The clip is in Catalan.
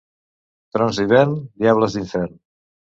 Trons d'hivern, diables d'infern.